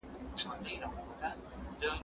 ايا ته انځورونه رسم کوې،